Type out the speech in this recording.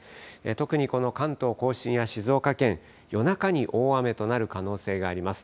特にこの関東甲信や静岡県、夜中に大雨となる可能性があります。